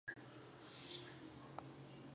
رضا پهلوي د اپوزېسیون ګډولو هڅې کړي.